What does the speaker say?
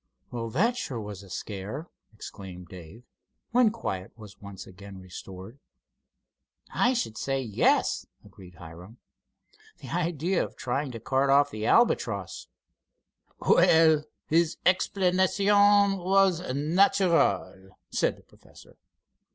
"Well, that sure was a scare!" exclaimed Dave, when quiet was once more restored. "I should say yes!" agreed Hiram. "The idea of trying to cart off the Albatross!" "Well, his explanation was natural," said the professor.